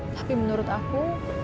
tapi menurut aku